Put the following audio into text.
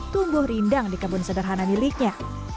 tumbuh rindang di kebun sederhana miliknya